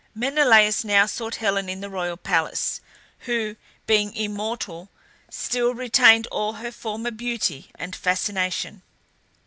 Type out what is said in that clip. Menelaus now sought Helen in the royal palace, who, being immortal, still retained all her former beauty and fascination.